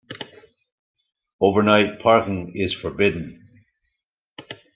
Overnight parking is forbidden.